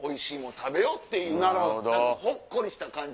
食べようっていうほっこりした感じ。